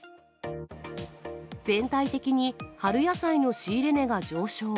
全体的に春野菜の仕入れ値が上昇。